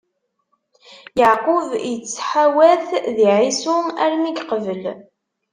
Yeɛqub ittḥawat di Ɛisu armi i yeqbel.